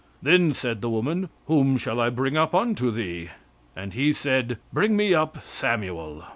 "Then said the woman, Whom shall I bring up unto thee? And he said, Bring me up Samuel.